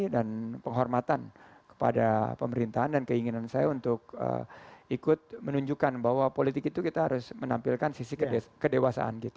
dan penghormatan kepada pemerintahan dan keinginan saya untuk ikut menunjukkan bahwa politik itu kita harus menampilkan sisi kedewasaan kita